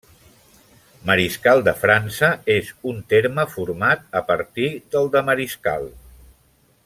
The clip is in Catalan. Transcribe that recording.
Mariscal de França és un terme format a partir del de mariscal.